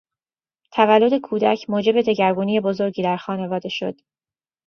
تولد کودک موجب دگرگونی بزرگی در خانواده شد.